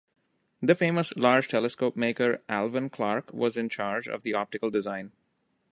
The famous large telescope maker Alvan Clark was in charge of the optical design.